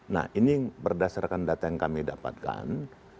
nah ini berdasarkan data yang kami dapatkan